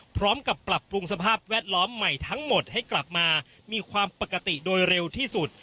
พร้อมกับปรับปรุงสภาพแวดล้อมใหม่ทั้งหมดให้กลับมามีความปกติโดยเร็วที่สุด